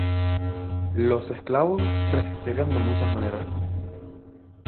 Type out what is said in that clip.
Los esclavos resistieron de muchas maneras.